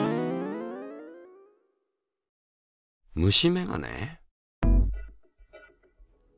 虫眼鏡？